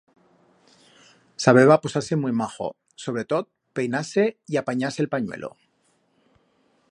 Sabeba posar-se muit majo, sobre tot peinar-se y apanyar-se el panyuelo.